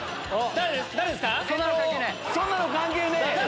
そんなの関係ねえ！